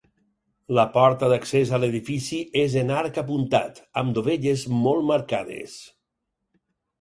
La porta d'accés a l'edifici és en arc apuntat, amb dovelles molt marcades.